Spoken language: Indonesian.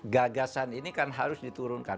gagasan ini kan harus diturunkan